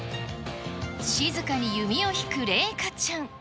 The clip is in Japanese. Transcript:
静かに弓を引く麗禾ちゃん。